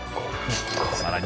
さらに